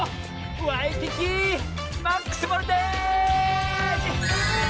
ワイキキマックスボルテージ！